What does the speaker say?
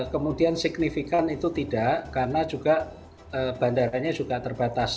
kemudian signifikan itu tidak karena juga bandaranya juga terbatas